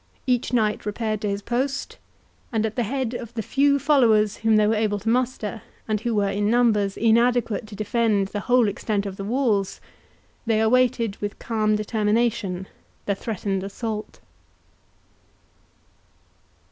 Each knight repaired to his post, and at the head of the few followers whom they were able to muster, and who were in numbers inadequate to defend the whole extent of the walls, they awaited with calm determination the threatened assault.